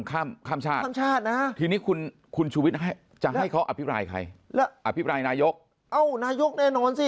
ข้ามชาติทีนี้คุณชุวิตจะให้เขาอภิกรายใครอภิกรายนายกนายกแน่นอนสิ